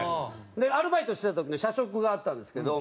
アルバイトしてた時に社食があったんですけど。